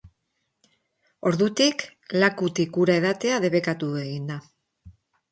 Ordutik, lakutik ura edatea debekatu egin da.